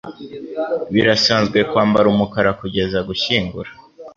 Birasanzwe kwambara umukara kugeza gushyingura.